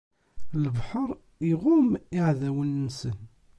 Lebḥer iɣumm iɛdawen-nsen.